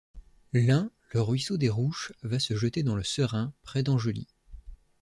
L'un, le ruisseau des Rouches va se jeter dans le Serein, près d'Angely.